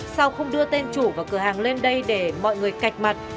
sau không đưa tên chủ và cửa hàng lên đây để mọi người cạch mặt